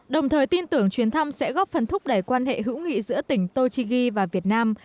đồng thời tin tưởng chuyến thăm sẽ góp phần thúc đẩy quan hệ hữu nghị giữa tỉnh tochigi và việt nam